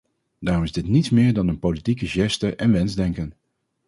Daarom is dit niets meer dan een politieke geste en wensdenken.